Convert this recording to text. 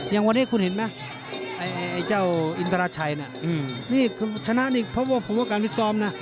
อย่างวันนี้คุณเห็นไหมไอ้เจ้าอินทราชัยน่ะนี่คุณชนะนี่เพราะว่าผมว่าการพิซ้อมนะ